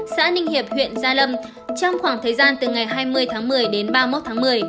xã ninh hiệp huyện gia lâm trong khoảng thời gian từ ngày hai mươi tháng một mươi đến ba mươi một tháng một mươi